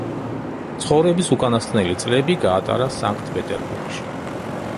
ცხოვრების უკანასკნელი წლები გაატარა სანქტ-პეტერბურგში.